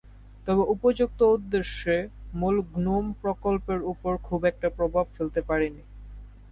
তবে উপর্যুক্ত উদ্দেশ্য মূল গ্নোম প্রকল্পের ওপর খুব একটা প্রভাব ফেলতে পারে নি।